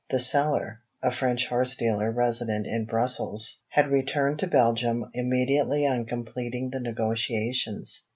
The seller (a French horse dealer resident in Brussels) had returned to Belgium immediately on completing the negotiations.